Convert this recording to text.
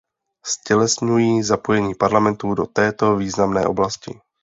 Ztělesňují zapojení Parlamentu do této významné oblasti.